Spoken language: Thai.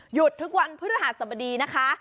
หยุดทุกวันพฤหัสบดีนะคะ